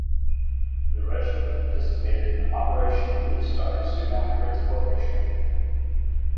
The regiment participated in Operation Bluestar soon after its formation.